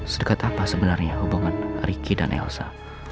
sedekat apa sebenarnya hubungan ricky dan elsa